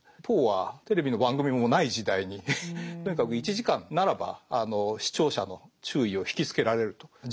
ポーはテレビの番組もない時代にとにかく１時間ならば視聴者の注意を引きつけられると。